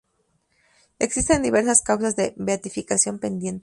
Existen diversas causas de beatificación pendientes.